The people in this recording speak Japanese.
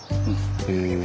へえ。